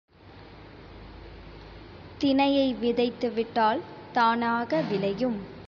தினையை விதைத்துவிட்டால் தானாக விளையும்.